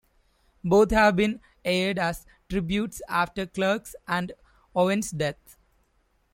Both have been aired as tributes after Clark's and Owens' deaths.